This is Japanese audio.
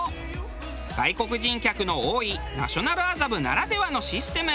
外国人客の多いナショナル麻布ならではのシステム。